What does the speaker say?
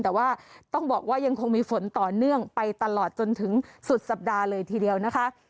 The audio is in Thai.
แต่ว่าต้องบอกว่ายังคงมีฝนต่อเนื่องไปตลอดจนถึงสุดสัปดาห์เลยทีเดียวนะคะ